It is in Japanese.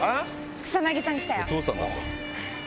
草薙さん来たよ。